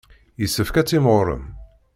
Yessefk ad timɣurem.